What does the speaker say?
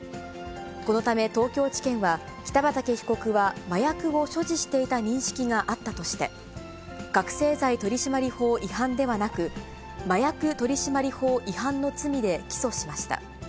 このため東京地検は、北畠被告は麻薬を所持していた認識があったとして、覚醒剤取締法違反ではなく、麻薬取締法違反の罪で起訴しました。